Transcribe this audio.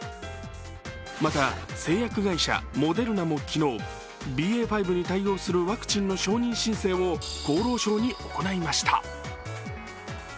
また、製薬会社モデルナも昨日ＢＡ．５に対応するワクチンの承認申請を厚労省に行いました。